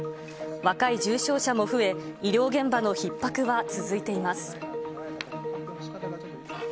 若い重症者も増え、医療現場のひっ迫は続いています。